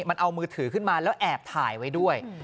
มันเอามือถือขึ้นมาแล้วแอบถ่ายไว้ด้วย